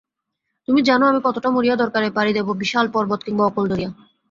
তুমি জানো আমি কতটা মরিয়া, দরকারে পাড়ি দেবো বিশাল পর্বত কিংবা অকূল দরিয়া।